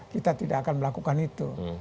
kita tidak akan melakukan itu